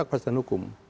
minta kebasan hukum